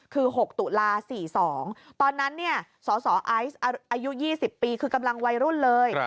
คือ๖ตุลา๔๒ตอนนั้นสสไอซ์อายุ๒๐ปีคือกำลังวัยรุ่นเลย